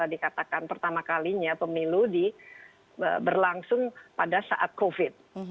yang tadi katakan pertama kalinya pemilu berlangsung pada saat covid